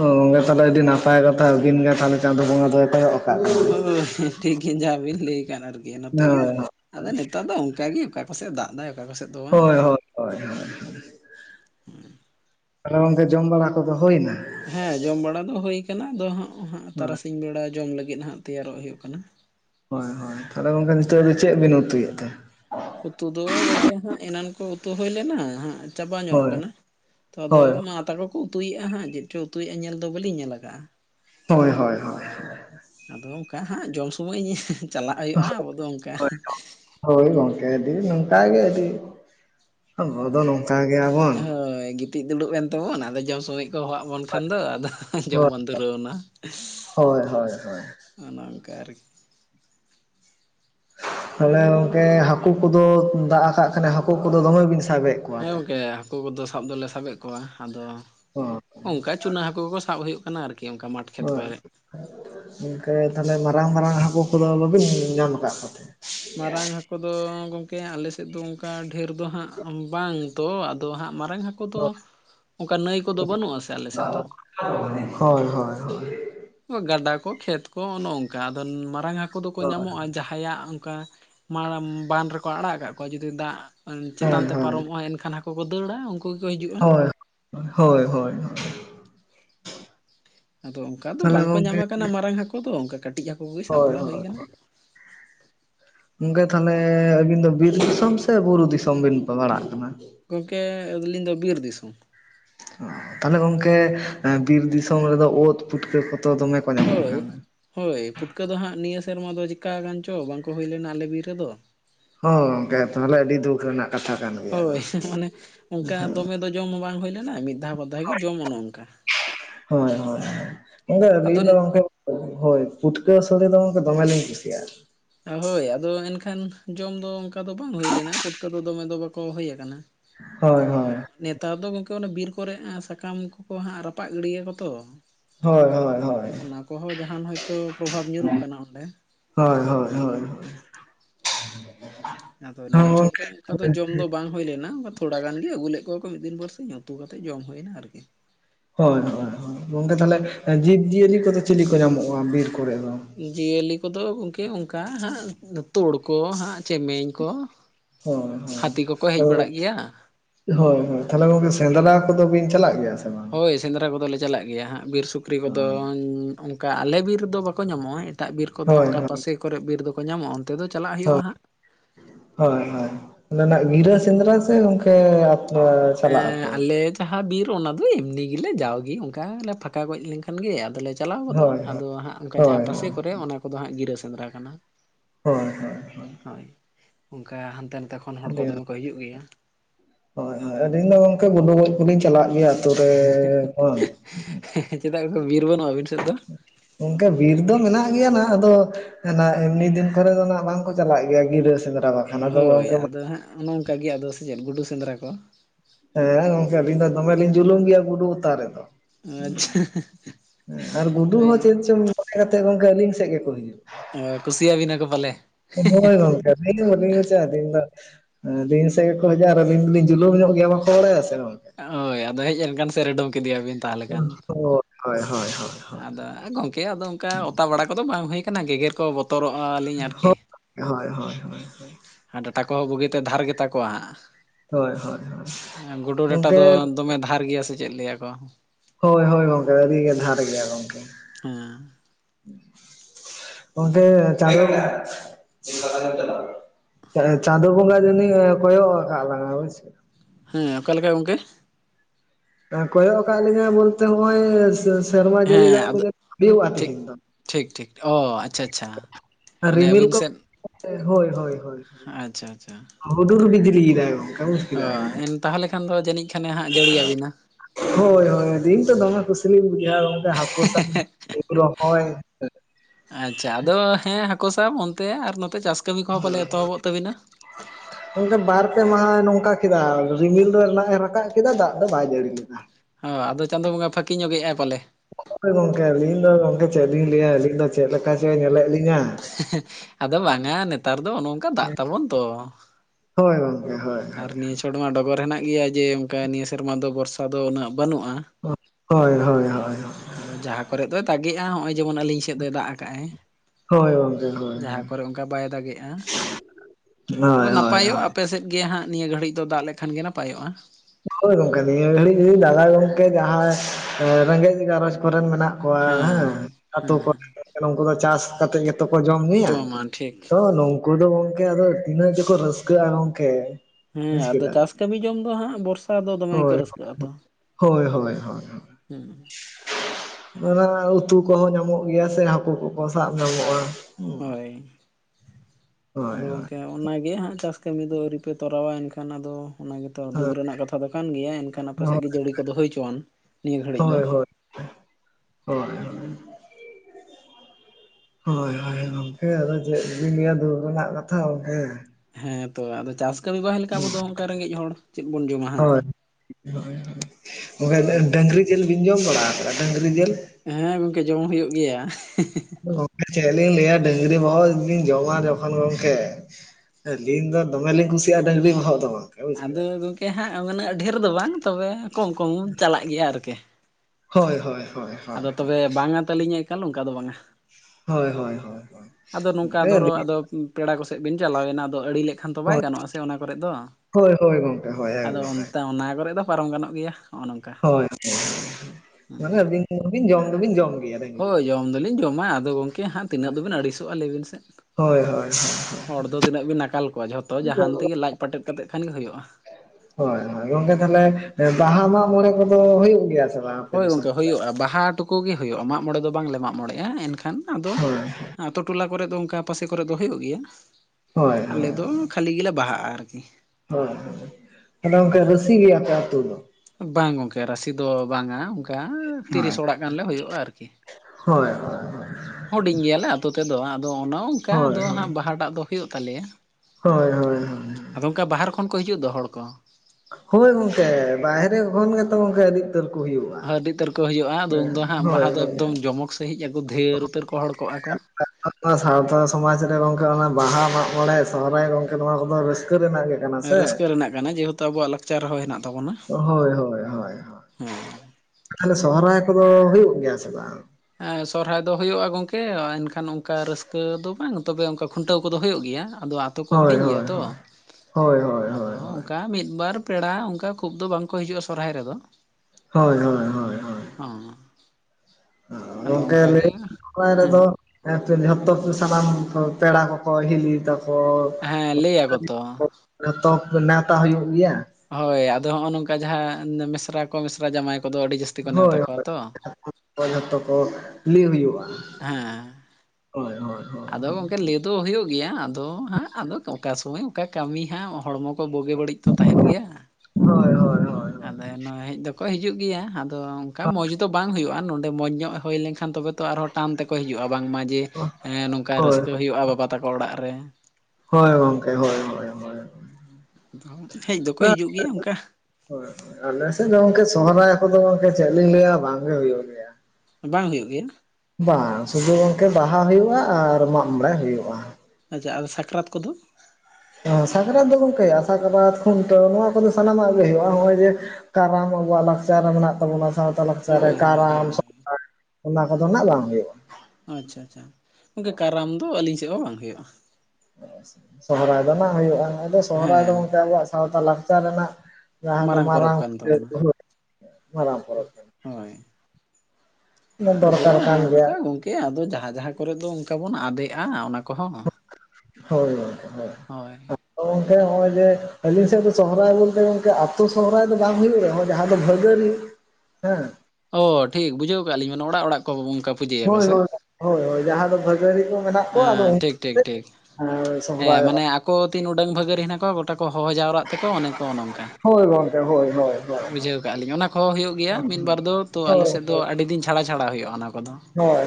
ᱟ ᱜᱚᱝᱜᱮ, ᱛᱟᱦᱚᱞᱮ ᱟᱹᱰᱤ ᱱᱟᱯᱟᱭ ᱠᱟᱛᱷᱟ, ᱟᱹᱵᱤᱱ ᱜᱮ ᱛᱟᱦᱚᱞᱮ ᱪᱟᱸᱫᱳ ᱵᱚᱸᱜᱟ ᱫᱚᱭ ᱠᱚᱭᱚᱜ ᱟᱠᱟᱜ ᱵᱤᱱ᱾ ᱦᱳᱭ ᱴᱷᱤᱠ ᱜᱮ ᱡᱟᱦᱟ ᱵᱤᱱ ᱞᱟᱹᱭ ᱟᱠᱟᱫ ᱟᱨᱠᱤ ᱱᱚᱛᱮ ᱜᱮ ᱟᱫᱚ ᱱᱮᱛᱟᱨ ᱫᱚ ᱚᱱᱴᱝᱠᱟᱜ ᱜᱮ ᱚᱠᱟ ᱠᱚ ᱥᱮᱫ ᱫᱟᱜ ᱮᱫᱟᱭ ᱚᱠᱟ ᱠᱚ ᱥᱮᱫ, ᱦᱳᱭ ᱦᱳᱭ ᱦᱳᱭ ᱦᱳᱭ ᱦᱳᱭ, ᱛᱟᱦᱚᱞᱮ ᱜᱚᱝᱠᱮ ᱡᱚᱢ ᱵᱟᱲᱟ ᱠᱚᱫᱚ ᱦᱩᱭᱮᱱᱟ? ᱦᱮᱸ ᱡᱚᱢ ᱵᱟᱲᱟ ᱫᱚ ᱦᱩᱭ ᱠᱟᱱᱟ, ᱟᱫᱚ ᱦᱟᱸᱜ ᱦᱟᱸᱜ ᱦᱳᱭ ᱛᱟᱨᱟᱥᱤᱧ ᱵᱮᱲᱟ ᱡᱚᱢ ᱞᱟᱹᱜᱤᱫ ᱦᱟᱸᱜ ᱛᱮᱭᱟᱨᱚᱜ ᱦᱩᱭᱩᱜ‌ ᱠᱟᱱᱟ᱾ ᱦᱳᱭ ᱦᱳᱭ, ᱛᱟᱦᱚᱞᱮ ᱜᱚᱝᱠᱮ ᱱᱤᱛᱚᱜ ᱫᱚ ᱪᱮᱫ ᱵᱤᱱ ᱩᱛᱩᱭ ᱮᱫ ᱛᱮ? ᱩᱛᱩ ᱫᱚ ᱜᱚᱝᱠᱮ ᱦᱟᱸᱜ ᱮᱱᱟᱱ ᱠᱚ ᱩᱛᱩ ᱦᱩᱭ ᱞᱮᱱᱟ ᱦᱟᱸᱜ ᱪᱟᱵᱟ ᱧᱚᱜ ᱦᱳᱭ ᱟᱠᱟᱱᱟ, ᱛᱚ ᱟᱫᱚ ᱦᱳᱭ ᱢᱟ ᱛᱟᱠᱚ ᱠᱚ ᱩᱛᱩᱭᱮᱫ-ᱟ ᱦᱟᱸᱜ ᱪᱮᱫ ᱪᱚ ᱩᱛᱩᱭᱮᱫ-ᱟ ᱧᱮᱞ ᱫᱚ ᱵᱟᱹᱞᱤᱧ ᱧᱮᱞ ᱟᱠᱟᱫ-ᱟ᱾ ᱦᱳᱭ ᱦᱳᱭ ᱦᱳᱭ, ᱟᱫᱚ ᱚᱱᱠᱟ ᱦᱟᱸᱜ ᱡᱚᱢ ᱥᱚᱢᱚᱭ ᱤᱧ ᱪᱟᱞᱟᱜ ᱦᱩᱭᱩᱜ-ᱟ ᱦᱳᱭ ᱟᱵᱚ ᱫᱚ ᱚᱱᱠᱟ᱾ ᱦᱳᱭ ᱜᱚᱝᱠᱮ ᱟᱹᱰᱤ ᱱᱚᱝᱠᱟ ᱜᱮ ᱟᱹᱰᱤ ᱵᱚᱫᱚᱞ ᱠᱟ ᱜᱮ ᱟᱵᱚ ᱦᱳᱭ ᱜᱤᱛᱤᱡ, ᱫᱩᱲᱩᱵ ᱮᱱ ᱛᱮᱵᱚᱱ ᱟᱫᱚ ᱡᱚᱢ ᱥᱚᱢᱚᱭ ᱠᱚ ᱦᱚᱦᱟᱜ ᱵᱚᱱᱠᱷᱟᱱ ᱫᱚ ᱟᱫᱚ ᱡᱚᱢ ᱦᱳᱭ ᱵᱚᱱ ᱫᱩᱨᱟᱹᱣᱱᱟ᱾ ᱦᱳᱭ ᱦᱳᱭ ᱦᱳᱭ ᱚᱱᱮ ᱚᱱᱠᱟ ᱟᱨ- ᱛᱟᱦᱚᱞᱮ ᱜᱚᱝᱠᱮ ᱦᱟᱹᱠᱩ ᱠᱚᱫᱚ ᱫᱟᱜ ᱟᱠᱟᱜ ᱠᱷᱟᱱᱮ ᱦᱟᱹᱠᱩ ᱠᱚᱫᱚ ᱫᱚᱢᱮ ᱵᱤᱱ ᱥᱟᱵᱮᱫ ᱠᱚᱣᱟ ᱦᱮᱸ ᱛᱚ ᱜᱚᱝᱠᱮ ᱦᱟᱹᱠᱩ ᱠᱚᱫᱚ ᱥᱟᱵ ᱫᱚᱞᱮ ᱥᱟᱵᱮᱫ ᱠᱚᱣᱟ, ᱟᱫᱚ ᱚ ᱚᱱᱠᱟ ᱪᱩᱱᱟᱹ ᱦᱟᱹᱠᱩ ᱠᱚᱠᱚ ᱥᱟᱵ ᱦᱩᱭᱩᱜ ᱠᱟᱱᱟ ᱟᱨᱠᱤ ᱚᱱᱠᱟ ᱢᱟᱴᱷᱚ, ᱦᱳᱭ᱾ ᱤᱱᱠᱟᱹ ᱛᱟᱦᱞᱮ ᱢᱟᱨᱟᱝ ᱢᱟᱨᱟᱝ ᱦᱟᱹᱠᱩ ᱠᱚᱫᱚ ᱵᱟᱹᱵᱤᱱ ᱧᱟᱢ ᱟᱠᱟᱫ ᱠᱚ ᱛᱟᱦᱮᱸ᱾ ᱢᱟᱨᱟᱝ ᱦᱟᱹᱠᱩ ᱫᱚ ᱜᱚᱢᱠᱮ ᱟᱞᱮ ᱥᱮᱫ ᱫᱚ ᱚᱱᱠᱟ ᱰᱷᱮᱨ ᱫᱚ ᱦᱟᱸᱜ ᱵᱟᱝ ᱛᱚ ᱟᱫᱚ ᱦᱟᱸᱜ ᱢᱟᱨᱟᱝ ᱦᱟᱹ- ᱠᱩ ᱫᱚ ᱚᱱᱠᱟ ᱱᱟᱹᱭ ᱠᱚᱫᱚ ᱵᱟᱹᱱᱩᱜ-ᱟ ᱥᱮ ᱟᱞᱮ ᱥᱮᱫ ᱫᱚ᱾ ᱦᱳᱭ ᱦᱳᱭ ᱦᱳᱭ᱾ ᱜᱟᱰᱟ ᱠᱚ ᱠᱷᱮᱛ ᱠᱚ ᱚᱱᱮ ᱚᱝᱠᱟ ᱟᱫᱚ ᱢᱟᱨᱟᱝ ᱦᱟᱹᱠᱩ ᱫᱚᱠᱚ ᱧᱟᱢᱚᱜ-ᱟ᱾ ᱡᱟᱦᱟᱸᱭ ᱟᱜ ᱚᱱᱠᱟ ᱢᱟᱲᱟᱝ ᱵᱟᱸᱫ ᱨᱮᱠᱚ ᱟᱲᱟᱜ ᱟᱠᱟᱫ ᱠᱚᱣᱟ ᱡᱩᱫᱤ ᱫᱟᱜ ᱦᱳᱭ ᱪᱮᱛᱟᱱ ᱛᱮ ᱦᱳᱭ ᱯᱟᱨᱚᱢᱚᱜ-ᱟ ᱮᱱᱠᱷᱟᱱ ᱦᱟᱹᱠᱩ ᱠᱚ ᱫᱟᱹᱲᱟ ᱩᱱᱠᱩ ᱜᱮᱠᱚ ᱦᱤᱡᱩᱜ-ᱟ᱾ ᱦᱳᱭ ᱦᱳᱭ ᱦᱳᱭ᱾ ᱟᱫᱚ ᱚᱱᱠᱟ ᱫᱚ ᱛᱟᱦᱚᱞᱮ ᱵᱟᱝ ᱠᱚ ᱜᱚᱝᱠᱮ ᱧᱟᱢᱟ ᱠᱟᱱᱟ ᱢᱟᱨᱟᱝ ᱦᱟᱹᱠᱩ ᱫᱚ ᱚᱱᱠᱟ ᱠᱟᱹᱴᱤᱡ ᱦᱟᱹᱠᱩ ᱠᱚᱜᱮ ᱥᱟᱵ ᱦᱳᱭ ᱵᱟᱲᱟ ᱦᱩᱭ ᱦᱳᱭ ᱠᱟᱱᱟ᱾ ᱜᱚᱝᱠᱮ ᱛᱟᱦᱚᱞᱮ ᱟᱹᱵᱤᱱ ᱫᱚ ᱵᱤᱨ ᱫᱤᱥᱚᱢ ᱥᱮ ᱵᱩᱨᱩ ᱫᱤᱥᱚᱢ ᱵᱤᱱ ᱯᱟᱲᱟᱜ ᱠᱟᱱᱟ? ᱜᱚᱝᱠᱮ ᱟᱞᱤᱧ ᱫᱚ ᱵᱤᱨ ᱫᱤᱥᱩᱢ᱾ ᱛᱟᱦᱚᱞᱮ ᱜᱚᱝᱠᱮ ᱵᱤᱨ ᱫᱤᱥᱚᱢ ᱨᱮᱫᱚ ᱳᱫ ᱯᱩᱴᱠᱟᱹ ᱠᱚᱫᱚ ᱫᱚᱢᱮ ᱠᱚ ᱧᱟᱢᱚᱜ ᱠᱟᱱᱟ᱾ ᱦᱳᱭ ᱦᱳᱭ ᱯᱩᱴᱠᱟᱹ ᱫᱚ ᱦᱟᱸᱜ ᱱᱤᱭᱟᱹ ᱥᱮᱨᱢᱟ ᱫᱚ ᱪᱤᱠᱟ ᱠᱟᱱ ᱪᱚ ᱵᱟᱝ ᱠᱚ ᱦᱩᱭ ᱞᱮᱱᱟ ᱟᱞᱮ ᱵᱤᱨ ᱨᱮᱫᱚ᱾ ᱦᱚᱸ ᱜᱚᱝᱠᱮ ᱛᱟᱦᱚᱞᱮ ᱟᱹᱰᱤ ᱫᱩᱠ ᱨᱮᱱᱟᱜ ᱠᱟᱛᱷᱟ ᱠᱟᱱᱟ᱾ ᱦᱳᱭ ᱢᱟᱱᱮ ᱚᱱᱠᱟ ᱫᱚᱢᱮ ᱫᱚ ᱡᱚᱢ ᱦᱚᱸ ᱵᱟᱝ ᱦᱩᱭ ᱞᱮᱱᱟ ᱢᱤᱫ ᱫᱷᱟᱣ ᱵᱟᱨ ᱫᱷᱟᱣ ᱜᱮ ᱡᱚᱢ ᱚᱱ ᱚᱱᱠᱟ᱾ ᱦᱳᱭ ᱦᱳᱭ ᱜᱚᱝᱠᱮ ᱟᱵᱮᱱ ᱫᱚ ᱟᱫᱚ ᱜᱚᱢᱠᱮ ᱦᱳᱭ ᱯᱩᱴᱠᱟᱹ ᱥᱚᱲᱮ ᱫᱚ ᱫᱚᱢᱮᱞᱤᱧ ᱠᱩᱥᱤᱭᱟᱜ-ᱟ᱾ ᱦᱳᱭ ᱟᱫᱚ ᱮᱱᱠᱷᱟᱱ ᱡᱚᱢ ᱫᱚ ᱚᱱᱠᱟ ᱫᱚ ᱵᱟᱝ ᱦᱩᱭ ᱞᱮᱱᱟ ᱯᱩᱴᱠᱟᱹ ᱫᱚ ᱫᱚᱢᱮ ᱫᱚ ᱵᱟᱠᱚ ᱦᱩᱭ ᱟᱠᱟᱱᱟ᱾ ᱦᱳᱭ ᱟᱫᱚ ᱦᱳᱭ ᱱᱮᱛᱟᱨ ᱫᱚ ᱜᱚᱢᱠᱮ ᱚᱱᱮ ᱵᱤᱨ ᱠᱚᱨᱮ ᱥᱟᱠᱟᱢ ᱠᱚᱠᱚ ᱦᱟᱸᱜ ᱨᱟᱯᱟᱜ ᱜᱤᱰᱤᱭᱟ ᱠᱚ ᱛᱚ᱾ ᱦᱳᱭ ᱦᱳᱭ ᱦᱳᱭ, ᱚᱱᱟ ᱠᱚᱦᱚᱸ ᱡᱟᱦᱟᱱ ᱦᱳᱭ ᱛᱚ ᱯᱚᱨᱚᱵᱷᱟᱵᱽ ᱧᱩᱨᱩᱜ ᱠᱟᱱᱟ ᱚᱸᱰᱮ᱾ ᱦᱳᱭ ᱦᱳᱭ ᱦᱳᱭ, ᱟᱫᱚ ᱦᱳᱭ ᱱᱤᱭᱟᱹ ᱜᱚᱝᱠᱮ ᱪᱷᱚᱨ ᱫᱚ ᱚᱱᱠᱟ ᱫᱚ ᱡᱚᱢ ᱫᱚ ᱵᱟᱝ ᱦᱩᱭ ᱞᱮᱱᱟ, ᱛᱷᱚᱲᱟ ᱜᱟᱱ ᱜᱮ ᱟᱹᱜᱩ ᱞᱮᱫ ᱠᱚᱣᱟ ᱠᱚ ᱢᱤᱫ ᱫᱤᱱ ᱵᱟᱨᱥᱤᱧ ᱩᱛᱩ ᱠᱟᱛᱮᱫ ᱡᱚᱢ ᱦᱩᱭᱱᱟ ᱟᱨᱠᱤ᱾ ᱦᱳᱭ ᱦᱳᱭ ᱦᱚᱭ, ᱜᱚᱝᱠᱮ ᱛᱟᱦᱚᱞᱮ ᱡᱤᱵᱽ-ᱡᱤᱭᱟᱹᱞᱤ ᱠᱚᱫᱚ ᱪᱤᱞᱤ ᱠᱚ ᱧᱟᱢᱚᱜ-ᱟ ᱵᱤᱨ ᱠᱚᱨᱮᱫ ᱫᱚ? ᱡᱤᱭᱟᱹᱞᱤ ᱠᱚᱫᱚ ᱜᱚᱢᱠᱮ ᱚᱱᱠᱟ ᱦᱟᱸᱜ ᱛᱩᱲ ᱠᱚ ᱦᱟᱸᱜ ᱪᱮᱢᱮᱧ ᱠᱚ ᱦᱳᱭ ᱦᱳᱭ ᱦᱟᱹᱛᱤ ᱠᱚᱠᱚ ᱛᱚ ᱦᱮᱡ ᱵᱟᱲᱟ ᱜᱮᱭᱟ? ᱦᱳᱭ ᱦᱳᱭ, ᱛᱟᱦᱚᱞᱮ ᱜᱚᱝᱠᱮ ᱥᱮᱸᱫᱽᱨᱟ ᱠᱚᱫᱚ ᱵᱤᱱ ᱪᱟᱞᱟᱜ ᱜᱮᱭᱟ ᱥᱮ ᱵᱟᱝ? ᱦᱳᱭ ᱥᱮᱸᱫᱽᱨᱟ ᱠᱚᱫᱚᱞᱮ ᱪᱟᱞᱟᱜ ᱜᱮᱭᱟ ᱦᱟᱸᱜ ᱵᱤᱨ ᱥᱩᱠᱨᱤ ᱠᱚᱫᱚ ᱚᱱᱠᱟ ᱟᱞᱮ ᱵᱤᱨ ᱨᱮᱫᱚ ᱵᱟᱠᱚ ᱧᱟᱢᱚᱜᱼᱟ᱾ ᱮᱴᱟᱜ ᱵᱤᱨ ᱠᱚᱫᱚ ᱦᱳᱭ ᱚᱱᱠᱟ ᱦᱳᱭ ᱯᱟᱥᱮ ᱠᱚᱨᱮᱫ ᱵᱤᱨ ᱫᱚᱠᱚ ᱧᱟᱢᱚᱜᱼᱟ ᱚᱱᱛᱮ ᱫᱚ ᱪᱟᱞᱟᱜ ᱦᱩᱭᱩᱜᱼᱟ ᱦᱳᱭ ᱦᱟᱸᱜ᱾ ᱦᱳᱭ ᱦᱳᱭ᱾ ᱚᱱᱟ ᱨᱮᱱᱟᱜ ᱜᱤᱨᱟᱹ ᱥᱮᱸᱫᱽᱨᱟ ᱥᱮ ᱜᱚᱢᱠᱮ ᱮᱸ ᱟᱞᱮ ᱡᱟᱦᱟᱸ ᱵᱤᱨ ᱚᱱᱟ ᱫᱚ ᱮᱢᱱᱤ ᱜᱮᱞᱮ ᱡᱟᱣᱜᱮ ᱚᱱᱠᱟ ᱞᱮ ᱯᱷᱟᱸᱠᱟ ᱜᱚᱡ ᱞᱮᱱᱠᱷᱟᱱ ᱜᱮ ᱟᱫᱚᱞᱮ ᱪᱟᱞᱟᱣ ᱜᱚᱫᱚᱜᱼᱟ ᱦᱳᱭ ᱦᱳᱭ ᱟᱫᱚ ᱦᱟᱸᱜ ᱚᱱᱠᱟ ᱡᱟᱦᱟᱸ ᱦᱳᱭ ᱯᱟᱥᱮ ᱠᱚᱨᱮ ᱚᱱᱟ ᱠᱚᱫᱚ ᱦᱟᱸᱜ ᱜᱤᱨᱟᱹ ᱥᱮᱸᱫᱽᱨᱟ ᱠᱟᱱᱟ᱾ ᱦᱳᱭ ᱦᱳᱭ᱾ ᱦᱳᱭ ᱚᱝᱠᱟ ᱦᱟᱸᱱᱛᱮ ᱱᱟᱛᱮ ᱠᱷᱚᱱ ᱦᱚᱲ ᱠᱚ ᱫᱚᱢᱮ ᱠᱚ ᱦᱤᱡᱩᱜ ᱜᱮᱭᱟ᱾ ᱦᱳᱭ ᱦᱳᱭ ᱟᱹᱞᱤᱧ ᱫᱚ ᱜᱚᱢᱠᱮ ᱜᱩᱰᱩᱜᱚᱡ ᱠᱚᱞᱤᱧ ᱪᱟᱞᱟᱜ ᱜᱮᱭᱟ ᱟᱛᱩ ᱨᱮ ᱠᱷᱚᱱ, ᱪᱮᱫᱟᱜ ᱜᱚᱢᱠᱮ ᱵᱤᱨ ᱵᱟᱹᱱᱩᱜᱼᱟ ᱚᱵᱤᱱ ᱥᱮᱫ ᱫᱚ? ᱜᱚᱝᱠᱮ ᱵᱤᱨ ᱫᱚ ᱢᱮᱱᱟᱜ ᱜᱮᱭᱟ ᱱᱟᱸᱜ ᱟᱫᱚ ᱚᱱᱟ ᱮᱢᱱᱤ ᱫᱤᱱ ᱠᱚᱨᱮ ᱫᱚ ᱱᱟᱸᱜ ᱵᱟᱝᱠᱚ ᱪᱟᱞᱟᱜ ᱜᱮᱭᱟ ᱜᱤᱨᱟᱹ ᱥᱮᱸᱫᱽᱨᱟ ᱫᱚ᱾ ᱦᱳᱭ ᱟᱫᱚ ᱦᱟᱸᱜ ᱚᱱᱮ ᱚᱱᱠᱟᱜᱮ ᱟᱫᱚ ᱥᱮ ᱪᱮᱫ ᱜᱩᱰᱩ ᱥᱮᱸᱫᱽᱨᱟ ᱠᱚ, ᱦᱮᱸ ᱜᱚᱝᱠᱮ ᱟᱞᱤᱧ ᱫᱚᱢᱮᱞᱤᱧ ᱡᱩᱞᱩᱝ ᱜᱤᱭᱟ ᱜᱩᱰᱩ ᱚᱛᱟ ᱨᱮᱫᱚ᱾ ᱟᱪᱪᱷᱟ ᱦᱮᱸ ᱟᱨ ᱜᱩᱰᱩ ᱦᱚᱸ ᱦᱳᱭ᱾ [inaudible] ᱠᱟᱛᱮᱫ ᱜᱚᱝᱠᱮ ᱟᱹᱞᱤᱧ ᱥᱮᱫ ᱜᱮᱠᱚ ᱦᱤᱡᱩᱜ᱾ ᱚ ᱠᱩᱥᱤᱭᱟᱵᱤᱱ ᱠᱚ ᱯᱟᱞᱮ᱾ ᱦᱳᱭ ᱜᱚᱝᱠᱮ [unintelligible] ᱟᱞᱤᱧ ᱫᱚ ᱦᱮᱸ ᱟᱞᱤᱧ ᱥᱮᱫ ᱜᱮᱠᱚ ᱦᱤᱡᱩᱜᱼᱟ ᱟᱨ ᱟᱹᱞᱤᱧ ᱫᱚᱞᱤᱧ ᱡᱩᱞᱟᱹᱢ ᱧᱚᱜ ᱜᱮᱭᱟ ᱵᱟᱠᱚ ᱵᱟᱲᱟᱭᱟ ᱥᱮ ᱜᱚᱝᱠᱮ, ᱦᱳᱭ ᱟᱫᱚ ᱦᱮᱡ ᱮᱱᱠᱷᱟᱱ ᱥᱮ ᱨᱮᱰᱚᱢ ᱠᱮᱫᱮᱭᱟᱵᱤᱱ᱾ ᱛᱟᱦᱚᱞᱮ [unintelligible] ᱦᱚᱭ ᱦᱚᱭ ᱦᱚᱭ᱾ ᱫᱟ ᱜᱚᱝᱠᱮ ᱟᱫᱚ ᱚᱝᱠᱟ ᱚᱛᱟ ᱵᱟᱲᱟ ᱠᱚᱫᱚ ᱵᱟᱝ ᱦᱩᱭ ᱠᱟᱱᱟ ᱜᱮᱜᱮᱨ ᱠᱚ ᱵᱚ ᱛᱚᱨᱚᱜ ᱟᱞᱤᱧ ᱟᱨᱠᱤ᱾ ᱦᱳᱭ ᱦᱳᱭ ᱦᱳᱭ ᱟᱨ ᱰᱟᱴᱟ ᱠᱚᱦᱚᱸ ᱵᱩᱜᱤᱛᱮ ᱫᱷᱟᱨ ᱜᱮᱛᱟ ᱠᱚᱣᱟ᱾ ᱦᱳᱭ ᱦᱳᱭ ᱦᱳᱭ ᱦᱳᱭ ᱮᱸ ᱜᱩᱰᱳ ᱰᱟᱴᱟ ᱜᱚᱝᱠᱮ ᱫᱚ ᱫᱚᱢᱮ ᱫᱷᱟᱨ ᱜᱮᱭᱟ ᱥᱮ ᱪᱮᱫ ᱞᱟᱹᱭᱟ ᱠᱚ? ᱦᱳᱭ ᱦᱳᱭ ᱜᱚᱝᱠᱮ ᱟᱹᱰᱤ ᱜᱮ ᱫᱷᱟᱨ ᱜᱮᱭᱟ ᱜᱚᱝᱠᱮ᱾ ᱦᱟᱸ᱾ ᱚᱱᱛᱮ [unintelligible] ᱫᱟᱠᱟ ᱡᱚᱢᱮᱢ ᱪᱟᱞᱟᱜᱼᱟ᱾ ᱪᱟ ᱪᱟᱸᱫᱳ ᱵᱚᱸᱜᱟ ᱡᱟᱱᱤᱡᱼᱮ ᱠᱚᱭᱚᱜ ᱠᱟᱜ ᱞᱟᱝᱟᱭ ᱦᱳᱭ ᱥᱮ? ᱦᱮᱸ ᱚᱠᱟ ᱞᱮᱠᱟ ᱜᱚᱝᱠᱮ? ᱠᱚᱭᱚᱜ ᱠᱟᱜ ᱞᱤᱧᱟ ᱵᱚᱞᱛᱮ ᱦᱚᱸᱚᱭ ᱥᱚᱨᱢᱟ ᱡᱟᱹᱲᱤ ᱦᱮᱸ ᱫᱟᱜ ᱟᱫᱚ ᱛᱮᱜᱮ ᱡᱟᱹᱱᱤᱡ ᱦᱩᱭᱩᱜᱼᱟ ᱴᱷᱤᱠ ᱛᱤᱦᱤᱧ ᱫᱚ᱾ ᱴᱷᱤᱠ ᱴᱷᱤᱠ ᱚ ᱟᱪᱪᱷᱟ ᱟᱪᱪᱷᱟ ᱟᱨ ᱢᱟᱱᱮ ᱨᱤᱢᱤᱞ ᱟᱹᱵᱤᱱ ᱠᱚ ᱥᱮᱫᱽ ᱦᱳᱭ ᱦᱳᱭ ᱦᱳᱭ ᱦᱩᱰᱩᱨ ᱵᱤᱡᱞᱤ ᱫᱟᱭ ᱜᱚᱝᱠᱮ ᱵᱩᱡ ᱚ ᱠᱮᱫᱟᱵᱤᱱ᱾ ᱮᱱ ᱛᱟᱦᱚᱞᱮ ᱠᱷᱟᱱ ᱫᱚ ᱡᱟᱹᱱᱤᱡ ᱠᱷᱟᱱᱮ ᱦᱟᱸᱜ ᱡᱟᱹᱲᱤᱭᱟᱵᱤᱱᱟ᱾ ᱦᱳᱭ ᱦᱳᱭ ᱫᱤᱱ ᱛᱚ ᱫᱚᱢᱮ ᱠᱩᱥᱤᱞᱤᱧ ᱵᱩᱡᱷᱟᱹᱣᱟ ᱜᱚᱢᱠᱮ ᱦᱟᱹᱠᱩ ᱥᱟᱵ ᱨᱚᱦᱚᱭ ᱟᱪᱪᱷᱟ ᱟᱫᱚ ᱦᱮᱸ ᱦᱟᱹᱠᱩ ᱥᱟᱵ ᱚᱱᱛᱮ ᱟᱨ ᱱᱚᱛᱮ ᱪᱟᱥ ᱠᱟᱹᱢᱤ ᱠᱚᱦᱚᱸ ᱯᱟᱞᱮ ᱮᱛᱚᱦᱚᱵᱚᱜ ᱛᱟᱹᱵᱤᱱᱟ? [inaudible] ᱚᱱᱠᱟ ᱵᱟᱨ ᱯᱮ ᱢᱟᱦᱟᱭ ᱱᱚᱝᱠᱟ ᱠᱮᱫᱟ ᱨᱤᱢᱤᱞ ᱫᱚ ᱫᱟᱜ ᱮ ᱨᱟᱠᱟᱵ ᱠᱮᱫᱟ ᱫᱟᱜ ᱫᱚ ᱵᱟᱭ ᱡᱟᱹᱲᱤ ᱞᱮᱫᱟ᱾ ᱦᱚᱸ ᱟᱫᱚ ᱪᱟᱸᱫᱳ ᱵᱚᱸᱜᱟ ᱯᱷᱟᱸᱠᱤ ᱧᱚᱜᱮᱜᱼᱟᱭ ᱯᱟᱞᱮᱜ? ᱦᱳᱭ ᱜᱚᱝᱠᱮ ᱟᱹᱞᱤᱧ ᱫᱚ ᱜᱚᱝᱠᱮ ᱪᱮᱫ ᱞᱤᱧ ᱞᱟᱹᱭᱟ ᱟᱹᱞᱤᱧ ᱫᱚ ᱪᱮᱫ ᱞᱮᱠᱟ ᱪᱚ ᱧᱮᱞᱮᱫ ᱞᱤᱧᱟ, ᱟᱫᱚ ᱵᱟᱝᱟ ᱱᱮᱛᱟᱨ ᱫᱚ ᱚᱱᱚ ᱚᱝᱠᱟ ᱫᱟᱜ ᱛᱟᱵᱚᱱ ᱛᱚ᱾ ᱦᱳᱭ ᱜᱚᱝᱠᱮ ᱦᱚᱭ᱾ ᱟᱨ ᱱᱤᱭᱟᱹ ᱪᱷᱚᱰ ᱢᱟ ᱰᱚᱜᱚᱨ ᱦᱮᱱᱟᱜ ᱜᱮᱭᱟ ᱡᱮ ᱚᱱᱠᱟ ᱱᱤᱭᱟᱹ ᱥᱮᱨᱢᱟ ᱫᱚ ᱵᱚᱨᱥᱟ ᱫᱚ ᱩᱱᱟᱹᱜ ᱵᱟᱹᱱᱩᱜᱼᱟ᱾ ᱦᱳᱭ ᱦᱳᱭ ᱦᱳᱭ᱾ ᱟᱫᱚ ᱡᱟᱦᱟᱸ ᱠᱚᱨᱮᱜ ᱫᱚᱭ ᱛᱟᱜᱮᱜᱼᱟ ᱱᱚᱜᱼᱚᱭ ᱡᱮᱢᱚᱱ ᱟᱹᱞᱤᱧ ᱥᱮᱫ ᱫᱚᱭ ᱫᱟᱜ ᱟᱠᱟᱜᱼᱟᱭ᱾ ᱦᱳᱭ ᱜᱚᱝᱠᱮ ᱦᱳᱭ ᱦᱳᱭ ᱡᱟᱦᱟᱸ ᱠᱚᱨᱮ ᱚᱱᱠᱟ ᱵᱟᱭ ᱫᱟᱜᱮᱜᱼᱟ, ᱟᱫᱚ ᱦᱳᱭ ᱦᱳᱭ ᱱᱟᱯᱟᱭᱚᱜᱼᱟ, ᱦᱳᱭ ᱟᱯᱮᱥᱮᱫ ᱜᱮ ᱦᱟᱸᱜ ᱱᱤᱭᱟᱹ ᱜᱷᱟᱹᱲᱤᱡ ᱫᱚ ᱫᱟᱜ ᱞᱮᱠᱷᱟᱱ ᱜᱮ ᱱᱟᱯᱟᱭᱚᱜᱼᱟ᱾ ᱦᱳᱭ ᱜᱚᱝᱠᱮ ᱱᱤᱭᱟᱹ ᱜᱷᱟᱹᱲᱤᱡ ᱫᱟᱫᱟ ᱡᱟᱦᱟᱸ ᱨᱮᱸᱜᱮᱡ ᱜᱷᱟᱨᱚᱸᱡᱽ ᱠᱚᱨᱮᱱ ᱢᱮᱱᱟᱜ, ᱠᱚᱣᱟ ᱦᱮᱸ, ᱟᱛᱚ ᱦᱮᱸ ᱦᱮᱸ ᱠᱚᱨᱮ ᱩᱱᱠᱩ ᱫᱚ ᱪᱟᱥ ᱠᱟᱛᱮ ᱜᱮ ᱛᱚᱠᱚ ᱡᱚᱢ ᱧᱩᱭᱟ᱾ ᱡᱚᱢᱟ ᱴᱷᱤᱠ ᱛᱚ ᱱᱩᱠᱩ ᱫᱚ ᱜᱚᱝᱠᱮ ᱟᱫᱚ ᱛᱤᱱᱟᱹᱜ ᱜᱮᱠᱚ ᱨᱟᱹᱥᱠᱟᱹᱜᱼᱟ ᱜᱚᱝᱠᱮ, ᱦᱩᱸ ᱵᱩᱡᱽ ᱟᱫᱚ ᱠᱮᱫᱟ ᱪᱟᱥ ᱠᱟᱹᱢᱤ ᱡᱚᱢ ᱫᱚ ᱦᱟᱸᱜ ᱵᱚᱨᱥᱟ ᱫᱚ ᱫᱚᱢᱮ ᱠᱚ ᱦᱳᱭ ᱨᱟᱹᱥᱠᱟᱹᱜᱼᱟ ᱦᱳᱭ ᱦᱳᱭ ᱦᱳᱭ᱾ ᱦᱩᱸ᱾ ᱚᱱᱟ ᱩᱛᱩ ᱠᱚᱦᱚᱸ ᱧᱟᱢᱚᱜ ᱜᱮᱭᱟ ᱥᱮ ᱦᱟᱹᱠᱩ ᱠᱚᱠᱚ ᱥᱟᱵ ᱧᱟᱢᱚᱜᱼᱟ, ᱦᱩᱸ ᱦᱳᱭ ᱦᱳᱭ ᱟᱫᱚ ᱦᱳᱭ ᱜᱚᱝᱠᱮ, ᱚᱱᱟᱜᱮ ᱦᱟᱸᱜ ᱪᱟᱥ ᱠᱟᱹᱢᱤ ᱫᱚ ᱟᱹᱣᱨᱤᱯᱮ ᱛᱚᱨᱟᱣᱟ ᱮᱱᱠᱷᱟᱱ ᱟᱫᱚ ᱚᱱᱟᱜᱮ ᱛᱚ ᱫᱩᱠ ᱨᱮᱱᱟᱜ ᱠᱟᱛᱷᱟ ᱫᱚ ᱠᱟᱱ ᱜᱮᱭᱟ, ᱮᱱᱠᱷᱟᱱ ᱟᱯᱮᱥᱮᱫ ᱜᱮ ᱡᱟᱹᱲᱤ ᱠᱚᱫᱚ ᱦᱩᱭ ᱦᱚᱪᱚᱣᱟᱱ ᱱᱤᱭᱟᱹ ᱜᱷᱟᱹᱲᱤᱡ ᱫᱚ ᱦᱳᱭ ᱦᱳᱭ ᱦᱳᱭ᱾ ᱦᱳᱭ ᱦᱳᱭ ᱜᱚᱝᱠᱮ ᱟᱫᱚ ᱪᱮᱫ ᱵᱤᱱ ᱞᱟᱭᱟᱹ ᱫᱩᱠ ᱨᱮᱱᱟᱜ ᱠᱟᱛᱷᱟ ᱜᱚᱝᱠᱮ ᱦᱮᱸᱻ ᱛᱚ ᱟᱫᱚ ᱪᱟᱥ ᱠᱟᱹᱢᱤ ᱵᱟᱝ ᱦᱩᱭ ᱞᱮᱱᱠᱷᱟᱱ ᱟᱵᱚ ᱫᱚ ᱚᱱᱠᱟ ᱨᱮᱸᱜᱮᱡ ᱦᱚᱲ, ᱪᱮᱫ ᱡᱚᱢᱟ ᱦᱟᱸᱜ᱾ ᱦᱳᱭ ᱜᱚᱝᱠᱮ ᱦᱩᱸ ᱰᱟᱹᱝᱨᱤ ᱡᱤᱞ ᱵᱤᱱ ᱡᱚᱢ ᱵᱟᱲᱟ ᱟᱠᱟᱫᱟ ᱰᱟᱝᱜᱨᱤ ᱡᱤᱞ? ᱦᱮᱸ ᱜᱚᱝᱠᱮ ᱡᱚᱢ ᱦᱩᱭᱩᱜ ᱜᱮᱭᱟ᱾ ᱜᱚᱢᱠᱮ ᱪᱮᱫ ᱞᱤᱧ ᱞᱟᱹᱭᱟ ᱰᱟᱹᱝᱨᱤ ᱵᱚᱦᱚᱜ ᱵᱤᱱ ᱡᱚᱢᱟ ᱡᱚᱠᱷᱚᱱ ᱜᱚᱢᱠᱮ ᱟᱹᱞᱤᱧ ᱫᱚ ᱫᱚᱢᱮ ᱞᱤᱧ ᱠᱩᱥᱤᱭᱟᱜᱼᱟ ᱰᱟᱹᱝᱨᱤ ᱵᱚᱦᱚᱜ ᱫᱚ᱾ ᱵᱩᱡᱽ ᱠᱮᱫᱟ ᱟᱫᱚ ᱵᱤᱱ ᱜᱚᱢᱠᱮ ᱦᱟᱸᱜ ᱩᱱᱟᱹᱜ ᱰᱷᱮᱨ ᱵᱟᱝ ᱛᱚᱵᱮ ᱠᱚᱢ ᱠᱚᱢ ᱪᱟᱞᱟᱜ ᱜᱮᱭᱟ ᱟᱨᱠᱤ᱾ ᱦᱳᱭ ᱦᱳᱭ᱾ ᱦᱳᱭ ᱦᱳᱭ ᱟᱫᱚ ᱛᱚᱵᱮ ᱵᱟᱝᱟ ᱛᱟᱹᱞᱤᱧ ᱟ ᱮᱠᱟᱞ ᱚᱱᱠᱟ ᱫᱚ ᱵᱟᱝᱟᱺ ᱦᱚᱭ ᱦᱚᱭ ᱦᱚᱭ᱾ ᱟᱫᱚ ᱱᱚᱝᱠᱟ ᱫᱷᱚᱨᱚ ᱟᱫᱚ ᱯᱮᱲᱟ ᱠᱚ ᱥᱮᱫ ᱵᱤᱱ ᱪᱟᱞᱟᱣᱮᱱᱟ ᱟᱫᱚ ᱟᱹᱲᱤ ᱞᱮ ᱮᱱᱠᱷᱟᱱ ᱛᱚ ᱵᱟᱭ ᱦᱳᱭ ᱜᱟᱱᱚᱜᱼᱟ ᱥᱮ ᱚᱱᱟ ᱠᱚᱨᱮᱫ ᱫᱚ᱾ ᱦᱳᱭ ᱦᱳᱭ ᱜᱚᱝᱠᱮ ᱦᱳᱭ ᱟᱫᱚ ᱮᱠᱫᱚᱢ ᱚᱱᱛᱮ ᱚᱱᱟ ᱠᱚᱨᱮᱫ ᱫᱚ ᱯᱟᱨᱚᱢ ᱜᱟᱱᱚᱜ ᱜᱮᱭᱟ᱾ ᱱᱚᱜᱼᱚ ᱱᱚᱝᱠᱟ ᱦᱚᱭ ᱢᱟᱱᱮ ᱟᱹᱵᱤᱱ ᱫᱚ ᱵᱤᱱ ᱡᱚᱢ ᱫᱚ ᱡᱚᱢ ᱜᱮᱭᱟ᱾ ᱰᱟᱹᱝᱨᱤ ᱦᱳᱭ ᱡᱚᱢ ᱡᱤᱞ ᱫᱚᱞᱤᱧ ᱡᱚᱢ-ᱟ ᱟᱫᱚ ᱜᱚᱢᱠᱮ ᱦᱟᱸᱜ ᱛᱤᱱᱟᱹᱜ ᱫᱚᱵᱤᱱ ᱟᱹᱲᱤᱥᱚᱜᱼᱟ ᱞᱟᱹᱭ ᱵᱤᱱ ᱥᱮ᱾ ᱦᱳᱭ ᱦᱳᱭ ᱦᱳᱭ ᱦᱚᱲ ᱫᱚ ᱛᱤᱱᱟᱹᱜ ᱵᱤᱱ ᱟᱠᱟᱞ ᱠᱚᱣᱟ ᱡᱷᱚᱛᱚ ᱡᱟᱦᱟᱱ ᱛᱮᱜᱮ ᱞᱟᱡ ᱯᱴᱮᱫ ᱠᱟᱛᱮ ᱠᱷᱟᱱ ᱜᱮ ᱦᱩᱭᱩᱜᱼᱟ᱾ ᱦᱳᱭ ᱦᱳᱭ ᱜᱚᱝᱠᱮ ᱛᱟᱦᱚᱞᱮ ᱵᱟᱦᱟ ᱢᱟᱜ ᱢᱚᱬᱮ ᱠᱚᱫᱚ ᱦᱩᱭᱩᱜ ᱜᱮᱭᱟ ᱥᱮ ᱵᱟᱝ ᱟᱯᱮ ᱦᱳᱭ ᱫᱤᱥᱚᱢ ᱜᱚᱝᱠᱮ ᱠᱚᱨᱮ? ᱦᱩᱭᱩᱜᱼᱟ, ᱵᱟᱦᱟ ᱴᱩᱠᱩ ᱜᱮ ᱦᱩᱭᱩᱜᱼᱟ ᱢᱟᱜ ᱢᱚᱬᱮ ᱫᱚ ᱵᱟᱝᱞᱮ ᱢᱟᱜ ᱢᱚᱬᱮᱜᱼᱟ ᱮᱱᱠᱷᱟᱱ ᱟᱫᱚ ᱦᱳᱭ ᱟᱛᱳ ᱴᱚᱞᱟ ᱠᱚᱨᱮ ᱫᱚ ᱚᱱᱠᱟ ᱯᱟᱥᱮ ᱠᱚᱨᱮ ᱫᱚ ᱦᱩᱭᱩᱜ ᱜᱮᱭᱟ, ᱦᱳᱭ ᱦᱳᱭ ᱟᱞᱮ ᱫᱚ ᱠᱷᱟᱹᱞᱤ ᱜᱮᱞᱮ ᱵᱟᱦᱟᱼᱟ ᱟᱨᱠᱤ᱾ ᱦᱳᱭ ᱦᱳᱭ, ᱛᱟᱦᱚᱞᱮ ᱜᱚᱝᱠᱮ ᱦᱳᱭ᱾ ᱨᱟᱥᱤ ᱜᱮᱭᱟ ᱟᱯᱮ ᱟᱹᱛᱳ ᱫᱚ? ᱵᱟᱝ ᱜᱚᱝᱠᱮ ᱨᱟᱥᱤ ᱫᱚ ᱵᱟᱝᱟ᱾ ᱚᱱᱠᱟᱻ ᱦᱳᱭ ᱛᱤᱨᱤᱥ ᱚᱲᱟᱜ ᱜᱟᱱ ᱞᱮ ᱦᱩᱭᱩᱜᱼᱟ ᱟᱨᱠᱤ᱾ ᱦᱳᱭ ᱦᱩᱰᱤᱧ ᱜᱮᱭᱟᱞᱮ ᱟᱹᱛᱩ ᱛᱮᱫᱚ ᱫᱚ ᱟᱫᱚ ᱚᱱᱟᱻ ᱚᱱᱠᱟᱻ ᱦᱳᱭ ᱫᱚ ᱦᱟᱸᱜ ᱵᱟᱦᱟᱴᱟᱜ ᱫᱚ ᱦᱩᱭᱩᱜ ᱛᱟᱞᱮᱭᱟ᱾ ᱦᱳᱭ ᱦᱳᱭ ᱟᱫᱚ ᱚᱱᱠᱟ ᱵᱟᱦᱟᱨ ᱠᱷᱚᱱ ᱠᱚ ᱦᱤᱡᱩᱜ ᱫᱚ ᱦᱚᱲ ᱠᱚ᱾ ᱦᱳᱭ ᱜᱚᱝᱠᱮᱻ ᱵᱟᱦᱨᱮ ᱠᱷᱚᱱ ᱜᱮᱛᱚ ᱜᱚᱝᱠᱮ ᱟᱹᱰᱤ ᱩᱛᱟᱹᱨ ᱠᱚ ᱦᱩᱭᱩᱜᱼᱟ᱾ ᱦᱟᱹᱰᱤ ᱩᱛᱟᱹᱨ ᱠᱚ ᱦᱤᱡᱩᱜᱼᱟ, ᱟᱫᱚ ᱩᱱᱫᱚ ᱦᱟᱸᱜ ᱵᱟᱦᱟ ᱦᱳᱭ ᱫᱚ ᱦᱳᱭ ᱮᱠᱫᱚᱢ ᱡᱚᱢᱚᱠ ᱥᱟᱺᱦᱤᱡ ᱫᱷᱮᱨ ᱩᱛᱟᱹᱨ ᱠᱚ ᱦᱚᱲ ᱠᱚᱜᱼᱟ ᱠᱚ᱾ ᱥᱟᱶᱛᱟ ᱥᱚᱢᱟᱡᱽ ᱨᱮ ᱜᱚᱝᱠᱮ ᱚᱱᱟ ᱵᱟᱦᱟ ᱢᱟᱜ ᱢᱚᱬᱮ ᱥᱚᱦᱨᱟᱭ ᱜᱚᱝᱠᱮ ᱱᱚᱣᱟ ᱠᱚᱫᱚ ᱨᱟᱹᱥᱠᱟᱹ ᱨᱮᱱᱟᱜ ᱜᱮ ᱠᱟᱱᱟ ᱥᱮ ᱨᱟᱹᱥᱠᱟᱹ ᱨᱮᱱᱟᱜ ᱠᱟᱱᱟ ᱡᱮᱦᱮᱛᱩ ᱟᱵᱚᱣᱟᱜ ᱞᱟᱠᱪᱟᱨ ᱨᱮᱦᱚᱸ ᱦᱮᱱᱟᱜ ᱛᱟᱵᱚᱱᱟ ᱦᱳᱭ ᱦᱳᱭ ᱦᱳᱭ ᱦᱮᱸ᱾ ᱛᱟᱦᱚᱞᱮ ᱥᱚᱦᱚᱨᱟᱹᱭ ᱠᱚᱫᱚ ᱦᱩᱭᱩᱜ ᱜᱮᱭᱟ ᱥᱮ ᱵᱟᱝ? ᱥᱚᱨᱦᱟᱹᱭ ᱫᱚ ᱦᱩᱭᱩᱜᱼᱟ ᱜᱮᱭᱟ ᱜᱚᱝᱠᱮ ᱮᱱᱠᱷᱟᱱ ᱚᱱᱠᱟ ᱨᱟᱹᱥᱠᱟᱹ ᱫᱚ ᱵᱟᱝ ᱛᱚᱵᱮ ᱚᱱᱠᱟ ᱠᱷᱩᱱᱴᱟᱹᱣ ᱠᱚᱫᱚ ᱦᱩᱭᱩᱜ ᱜᱮᱭᱟ ᱟᱫᱚ ᱛᱚ ᱠᱚ ᱦᱳᱭ ᱦᱩᱰᱤᱧ ᱜᱮᱭᱟ ᱦᱳᱭ ᱛᱚ ᱦᱳᱭ ᱦᱳᱭ ᱦᱳᱭ ᱟᱫᱚ ᱦᱳᱭ ᱦᱳᱭ ᱚᱱᱠᱟ ᱢᱤᱫᱵᱟᱨ ᱯᱮᱲᱟ ᱚᱱᱠᱟ ᱠᱷᱩᱵ ᱫᱚ ᱵᱟᱝᱠᱚ ᱦᱤᱡᱩᱜᱼᱟ ᱥᱚᱨᱦᱟᱭ ᱨᱮᱫᱚ᱾ ᱦᱳᱭ ᱦᱳᱭ ᱦᱳᱭ᱾ ᱦᱚᱸ ᱟᱫᱚ ᱜᱚᱝᱠᱮ ᱚᱱᱠᱟᱜᱮ ᱞᱟᱭ [inaudible] ᱦᱮᱸ ᱨᱮᱫᱚ [inaudible] ᱨᱮ ᱥᱟᱱᱟᱢ ᱯᱮᱲᱟ ᱠᱚᱠᱚ ᱦᱤᱞᱤ ᱛᱟᱠᱚ ᱦᱮᱸ ᱞᱟᱹᱭ ᱟᱠᱚ ᱛᱚ᱾ ᱟᱨ ᱛᱚᱠ ᱱᱮᱣᱛᱟ ᱦᱩᱭᱩᱜ ᱜᱮᱭᱟ᱾ ᱦᱳᱭ ᱟᱫᱚ ᱱᱚᱜᱼᱚ ᱱᱚᱝᱠᱟ ᱡᱟᱦᱟᱸ ᱢᱤᱥᱨᱟ ᱠᱚ ᱢᱤᱥᱨᱟ ᱡᱟᱶᱟᱭ ᱠᱚᱫᱚ ᱟᱹᱰᱤ ᱡᱟᱹᱥᱛᱤ ᱠᱚ ᱦᱳᱭ ᱱᱮᱣᱛᱟ ᱠᱚᱣᱟ ᱛᱚ ᱦᱳᱭ ᱡᱚᱛᱚ ᱠᱚ ᱞᱟᱹᱭ ᱦᱩᱭᱩᱜᱼᱟ᱾ ᱦᱮᱸ᱾ ᱦᱚᱭ ᱦᱚᱭ ᱦᱚᱭ᱾ ᱟᱫᱚ ᱜᱚᱝᱠᱮ ᱞᱟᱹᱭ ᱫᱚ ᱦᱩᱭᱩᱜ ᱜᱮᱭᱟ ᱟᱫᱚ ᱦᱟᱸᱜ ᱟᱫᱚ ᱚᱠᱟ ᱥᱚᱢᱚᱭ ᱚᱱᱠᱟ ᱠᱟᱹᱢᱤ ᱦᱟᱸᱜ ᱦᱚᱲᱢᱚ ᱠᱚ ᱵᱩᱜᱤ ᱵᱟᱹᱲᱤᱡ ᱛᱚ ᱛᱟᱦᱮᱱ ᱜᱮᱭᱟ᱾ ᱦᱳᱭ᱾ ᱦᱳᱭ ᱦᱳᱭ ᱟᱫᱚ ᱮᱱ ᱦᱚ ᱦᱮᱡ ᱫᱚᱠᱚ ᱦᱤᱡᱩᱜ ᱜᱮᱭᱟ᱾ ᱟᱫᱚ ᱚᱱᱠᱟ ᱢᱚᱡᱽ ᱫᱚ ᱵᱟᱝ ᱦᱩᱭᱩᱜᱼᱟ ᱱᱚᱰᱮ ᱢᱚᱡᱽ ᱧᱚᱜ ᱦᱩᱭ ᱞᱮᱱᱠᱷᱟᱱ ᱛᱚᱵᱮ ᱛᱚ ᱟᱨᱦᱚᱸ ᱴᱟᱱ ᱛᱮᱠᱚ ᱦᱤᱡᱩᱜᱼᱟ ᱵᱟᱝᱢᱟ ᱡᱮ ᱦᱳᱭ ᱱᱚᱝᱠᱟ ᱦᱳᱭ ᱨᱟᱹᱥᱠᱟᱹ ᱦᱩᱭᱩᱜᱼᱟ ᱵᱟᱵᱟ ᱛᱟᱠᱚ ᱚᱲᱟᱜ ᱨᱮ᱾ ᱦᱳᱭ ᱜᱚᱝᱠᱮ ᱦᱳᱭ ᱦᱳᱭ ᱦᱳᱭ ᱾ ᱦᱮᱡ ᱫᱚᱠᱚ ᱦᱤᱡᱩᱜ ᱜᱮᱭᱟ ᱚᱱᱠᱟ ᱦᱳᱭ ᱦᱳᱭ ᱟᱞᱮ ᱥᱮᱫ ᱫᱚ ᱜᱚᱝᱠᱮ ᱥᱚᱦᱚᱨᱟᱭ ᱠᱚᱫᱚ ᱜᱚᱝᱠᱮ ᱪᱮᱫ ᱞᱤᱧ ᱞᱟᱹᱭᱟ ᱵᱟᱝᱜᱮ ᱦᱩᱭᱩᱜ ᱜᱮᱭᱟ᱾ ᱵᱟᱝ ᱦᱩᱭᱩᱜ ᱜᱮᱭᱟ? ᱵᱟᱝ ᱥᱩᱫᱷᱩ ᱜᱚᱝᱠᱮ ᱵᱟᱦᱟ ᱦᱩᱭᱩᱜᱼᱟ ᱟᱨ ᱢᱟᱜ ᱢᱚᱬᱮ ᱦᱩᱭᱩᱜᱼᱟ᱾ ᱟᱪᱪᱷᱟ ᱟᱫᱚ ᱥᱟᱠᱨᱟᱹᱛ ᱠᱚᱫᱚ ᱥᱟᱠᱨᱟᱛ ᱫᱚ ᱜᱚᱝᱠᱮ ᱥᱟᱠᱨᱟᱛ ᱠᱷᱚᱱᱴᱟᱹ ᱱᱚᱣᱟ ᱠᱚᱫᱚ ᱥᱟᱱᱟᱢᱟᱜ ᱜᱮ ᱦᱩᱭᱩᱜᱼᱟ ᱱᱚᱜᱼᱚᱭ ᱡᱮ ᱠᱟᱨᱟᱢ ᱟᱵᱚᱣᱟᱜ ᱞᱟᱠᱪᱟᱨ ᱨᱮ ᱢᱮᱱᱟᱜ ᱛᱟᱵᱚᱱᱟ ᱥᱟᱶᱛᱮ ᱞᱟᱛᱟ ᱞᱟᱠᱪᱟᱨ ᱨᱮ ᱦᱳᱭ ᱦᱳᱭ ᱠᱟᱨᱟᱢ ᱦᱳᱭ ᱥᱚᱦᱨᱟᱭ ᱚᱱᱟ ᱠᱚᱫᱚ ᱱᱟᱦᱟᱜ ᱵᱟᱝ ᱦᱩᱭᱩᱜᱼᱟ᱾ ᱟᱪᱪᱷᱟ ᱟᱪᱪᱷᱟ ᱜᱚᱝᱠᱮ ᱠᱟᱨᱟᱢ ᱫᱚ ᱟᱹᱞᱤᱧ ᱥᱮᱫ ᱦᱚᱸ ᱵᱟᱝ ᱦᱩᱭᱩᱜᱼᱟ᱾ ᱥᱚᱦᱨᱟᱭ ᱫᱚ ᱵᱟᱝ ᱦᱩᱭᱩᱜᱼᱟ ᱱᱚᱜᱚᱭ ᱫᱚ ᱥᱚᱦᱨᱟᱭ ᱫᱚ ᱦᱮᱸ ᱜᱚᱝᱠᱮ ᱟᱵᱚᱣᱟᱜ ᱥᱟᱶᱛᱟ ᱞᱟᱠᱪᱟᱨ ᱨᱮᱱᱟᱜ ᱡᱟᱦᱟᱸ ᱫᱚ ᱢᱟᱨᱟᱝ ᱯᱚᱨᱚᱵᱽ ᱠᱟᱱ ᱛᱟᱵᱚᱱᱟ ᱢᱟᱨᱟᱝ ᱯᱚᱨᱚᱵᱽ ᱠᱟᱱᱟ ᱦᱳᱭ᱾ ᱟᱫᱚ ᱫᱚᱨᱠᱟᱨ ᱠᱟᱱ ᱱᱚᱝᱠᱟ ᱜᱮᱭᱟ ᱜᱚᱝᱠᱮ ᱟᱫᱚ ᱡᱟᱦᱟᱸ ᱡᱟᱦᱟᱸ ᱠᱚᱨᱮ ᱫᱚ ᱚᱱᱠᱟ ᱵᱚᱱ ᱟᱫᱮᱜᱼᱟ ᱚᱱᱟ ᱠᱚᱦᱚᱸ ᱦᱳᱭ ᱦᱳᱭ ᱦᱳᱭ ᱟᱫᱚ ᱜᱚᱝᱠᱮ ᱦᱳᱭ ᱟᱫᱚ ᱜᱚᱝᱠᱮ ᱱᱚᱜᱼᱚᱭ ᱡᱮ ᱟᱹᱞᱤᱧ ᱥᱮᱫ ᱫᱚ ᱥᱚᱦᱚᱨᱟᱭ ᱵᱚᱞᱛᱮ ᱜᱚᱝᱠᱮ ᱥᱚᱨᱦᱟᱭ ᱫᱚ ᱵᱟᱝ ᱦᱩᱭᱩᱜᱼᱟ ᱡᱟᱦᱟᱸ ᱫᱚ ᱵᱷᱟᱹᱜᱟᱹᱨᱤ ᱦᱮᱸ᱾ ᱚ ᱴᱷᱤᱠ ᱵᱩᱡᱷᱟᱹᱣ ᱟᱠᱟᱫᱟ ᱞᱤᱧ ᱚᱱᱮ ᱚᱲᱟᱜ ᱚᱲᱟᱜ ᱠᱚ ᱚᱱᱠᱟ ᱯᱩᱡᱟᱹᱭᱟᱠᱚ ᱦᱳᱭ ᱥᱮ ᱦᱳᱭ ᱦᱳᱭ ᱦᱳᱭ ᱡᱟᱦᱟᱸ ᱫᱚ ᱵᱷᱟᱜᱤ ᱠᱚ ᱢᱮᱱᱟᱜ ᱠᱚᱣᱟ ᱟᱫᱚ ᱦᱮᱸ ᱴᱷᱤᱠ ᱩᱱ ᱥᱚᱦᱨᱟᱭᱚᱜᱼᱟ᱾ ᱠᱚ ᱛᱤᱱ ᱩᱰᱟᱹᱝ ᱵᱷᱟᱹᱜᱟᱹᱨᱤ ᱦᱮᱱᱟᱜ ᱠᱚᱣᱟ ᱜᱚᱴᱟ ᱠᱚ ᱦᱚᱦᱚ ᱡᱟᱣᱨᱟᱜ ᱛᱮᱠᱚ ᱚᱱᱮ ᱠᱚ ᱱᱚᱝᱠᱟ ᱦᱳᱭ ᱜᱚᱝᱠᱮ ᱦᱳᱭ ᱦᱳᱭ ᱦᱳᱭ ᱾ ᱵᱩᱡᱷᱟᱹᱣ ᱠᱟᱜ ᱞᱤᱧ ᱚᱱᱟ ᱠᱚᱦᱚᱸ ᱦᱩᱭᱩᱜ ᱜᱮᱭᱟ ᱢᱤᱫ ᱵᱟᱨ ᱫᱚ ᱛᱚ ᱦᱳᱭ ᱟᱞᱮᱥᱮᱫ ᱫᱚ ᱟᱹᱰᱤ ᱫᱤᱱ ᱟᱲᱟ ᱪᱷᱟᱲᱟ ᱦᱩᱭᱩᱜᱼᱟ ᱚᱱᱟ ᱠᱚᱫᱚ᱾ ᱦᱳᱭ ᱾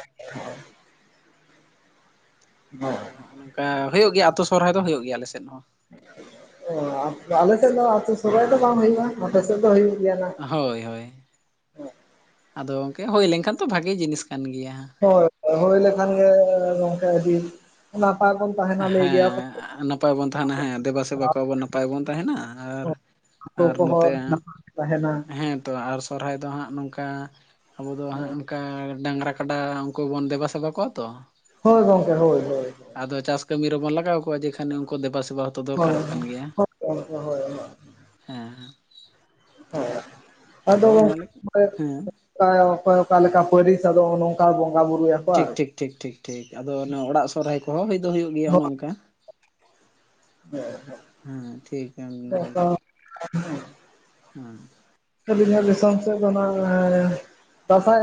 ᱟᱫᱚ ᱦᱳᱭ ᱱᱚᱜ-ᱚ ᱱᱚᱝᱠᱟ ᱦᱩᱭᱩᱜ ᱜᱮᱭᱟ ᱟᱛᱳ ᱥᱚᱦᱨᱟᱭ ᱫᱚ ᱦᱩᱭᱩᱜ ᱜᱮᱭᱟ ᱟᱞᱮ ᱥᱮᱫ ᱦᱚᱸ ᱾ ᱚ ᱟᱞᱮ ᱥᱮᱫ ᱫᱚ ᱟᱛᱩ ᱥᱚᱦᱨᱟᱭ ᱫᱚ ᱵᱟᱝ ᱦᱩᱭᱩᱜ-ᱟ, ᱟᱯᱮ ᱥᱮᱫ ᱫᱚ ᱦᱩᱭᱩᱜ ᱜᱮᱭᱟ ᱱᱟᱜ ᱾ ᱦᱳᱭ ᱦᱳᱭ ᱾ [inaudible] ᱟᱫᱚ ᱜᱚᱝᱠᱮ ᱦᱩᱭ ᱞᱮᱱᱠᱷᱟᱱ ᱛᱚ ᱵᱷᱟᱜᱮ ᱡᱤᱱᱤᱥ ᱠᱟᱱ ᱜᱮᱭᱟ ᱾ ᱦᱳᱭ ᱦᱩᱭ ᱞᱮᱠᱷᱟᱱ ᱜᱮ ᱜᱚᱝᱠᱮ ᱟᱹᱰᱤ ᱱᱟᱯᱟᱭ ᱵᱚᱱ ᱛᱟᱦᱮᱱᱟ ᱞᱟᱹᱭ ᱜᱮᱭᱟ ᱠᱚ ᱦᱮᱸ ᱱᱟᱯᱟᱭ ᱵᱚᱱ ᱛᱟᱦᱮᱱᱟ ᱦᱮᱸ ᱫᱮᱵᱟ ᱥᱮᱵᱟ ᱠᱚᱣᱟ ᱵᱚᱱ ᱱᱟᱯᱟᱭ ᱵᱚᱱ ᱛᱟᱦᱮᱱᱟ ᱟᱨ ᱟᱛᱳ ᱟᱨ ᱠᱚᱦᱚ ᱱᱚᱛᱮ ᱱᱟᱯᱟᱭ ᱛᱟᱦᱮᱱᱟ ᱾ ᱦᱮᱸ ᱛᱚ ᱟᱨ ᱥᱚᱨᱦᱟᱭ ᱫᱚ ᱦᱟᱸᱜ ᱱᱚᱝᱠᱟ ᱟᱵᱚ ᱫᱚ ᱦᱟᱸᱜ ᱱᱚᱝᱠᱟ ᱰᱟᱝᱨᱟ ᱠᱟᱰᱟ ᱩᱱᱠᱩ ᱵᱚᱱ ᱫᱮᱵᱟ ᱥᱮᱵᱟ ᱠᱚᱣᱟ ᱛᱚ ᱾ ᱦᱳᱭ ᱜᱚᱝᱠᱮ ᱦᱳᱭ ᱦᱳᱭ ᱾ ᱟᱫᱚ ᱪᱟᱥ ᱠᱟᱹᱢᱤ ᱨᱮᱵᱚᱱ ᱞᱟᱜᱟᱣ ᱠᱚᱣᱟ ᱡᱚ ᱠᱷᱟᱱ ᱱᱩᱠᱩ ᱫᱮᱵᱟ ᱥᱮᱵᱟ ᱦᱚᱸᱛᱚ ᱦᱳᱭ ᱦᱳᱭ ᱫᱚᱨᱠᱟᱨᱚᱜ ᱠᱟᱱ ᱜᱮᱭᱟ ᱜᱚᱝᱠᱮ ᱦᱳᱭ ᱾ ᱦᱳᱭ [inaudible] ᱦᱮ ᱸ ᱾ ᱦᱳᱭ ᱾ ᱟᱫᱚ ᱚᱱᱟ ᱞᱟᱹᱜᱤᱫ ᱦᱮᱸ ᱾ ᱚᱠᱚᱭ ᱚᱠᱟ ᱞᱮᱠᱟ ᱯᱟᱹᱨᱤᱥ ᱟᱫᱚ ᱱᱚᱝᱠᱟ ᱵᱚᱸᱜᱟ ᱵᱩᱨᱩᱭᱟ ᱴᱷᱤᱠ ᱴᱷᱤᱠ ᱴᱷᱤᱠ ᱟᱫᱚ ᱚᱱᱮ ᱚᱲᱟᱜ ᱥᱚᱨᱦᱟᱭ ᱠᱚᱦᱚᱸ ᱦᱩᱭ ᱫᱚ ᱦᱩᱭᱩᱜ ᱜᱮᱭᱟ ᱚᱱᱮ ᱚᱱᱠᱟ ᱾ [inaudible] ᱦᱮᱸ ᱴᱷᱤᱠ ᱮᱢ ᱞᱟᱹᱭ ᱠᱟᱜ [unintelligible] ᱦᱩᱸ ᱾ ᱟᱞᱤᱧᱤᱟᱜ ᱫᱤᱥᱚᱢ ᱥᱮᱫ ᱫᱚ ᱱᱚᱜ-ᱚᱭ ᱫᱟᱸᱥᱟᱭ